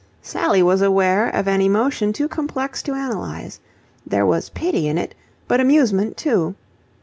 Sally was aware of an emotion too complex to analyse. There was pity in it, but amusement too.